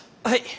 はい！